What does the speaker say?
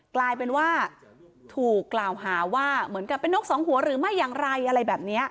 กลายเป็นว่าถูกกล่าวหาว่าเหมือนกับเป็นนกสองหัวหรือไม่อย่างไรอะไรแบบนี้